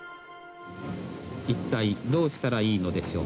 一体どうしたらいいのでしょう。